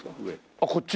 あっこっち？